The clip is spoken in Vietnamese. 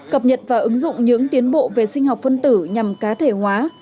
cập nhật và ứng dụng những tiến bộ về sinh học phân tử nhằm cá thể hóa